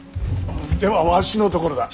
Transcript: ではわしのところだ。